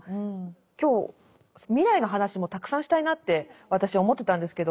今日未来の話もたくさんしたいなって私思ってたんですけど